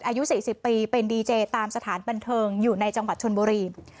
อายุ๔๐ปีเป็นดีเจตามสถานบันเทิงอยู่ในจังหวัดชนบุรี